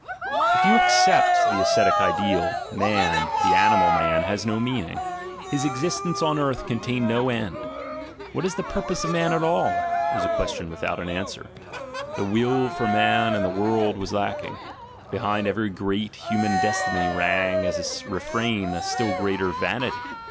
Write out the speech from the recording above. If you except the ascetic ideal, man, the animal man ASCETIC IDEALS 177 had no meaning. His existence on earth contained no end; "What is the purpose of man at all?" was a question without an answer; the will for man and the world was lacking; behind every great human destiny rang as a re frain a still greater "Vanity!"